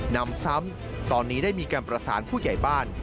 นำซ้ำตอนนี้ได้มีการประสานผู้ใหญ่บ้าน